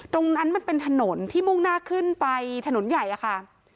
ตรงนั้นมันเป็นถนนที่มุ่งหน้าขึ้นไปถนนใหญ่อะค่ะ